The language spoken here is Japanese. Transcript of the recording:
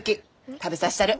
食べさしたる。